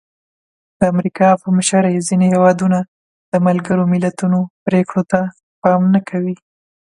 د امریکا په مشرۍ ځینې هېوادونه د ملګرو ملتونو پرېکړو ته پام نه کوي.